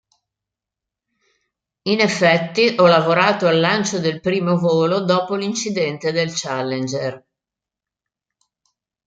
In effetti ho lavorato al lancio del primo volo dopo l'incidente del Challenger".